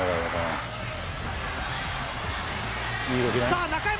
さあ中山